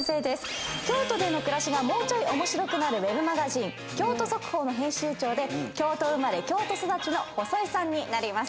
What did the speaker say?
京都での暮らしがもうちょい面白くなるウェブマガジン京都速報の編集長で京都生まれ京都育ちの細井さんになります。